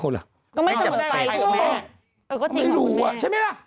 ก็ไม่เสมอไปคุณแม่ไม่ได้กับใครหรือเปล่าไม่รู้อ่ะใช่ไหมล่ะ